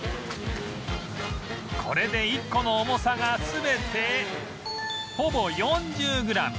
これで１個の重さが全てほぼ４０グラム